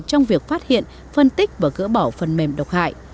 trong việc phát hiện phân tích và gỡ bỏ phần mềm độc hại